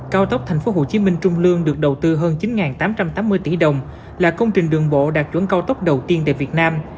cao tốc tp hcm trung lương được đầu tư hơn chín tám trăm tám mươi tỷ đồng là công trình đường bộ đạt chuẩn cao tốc đầu tiên tại việt nam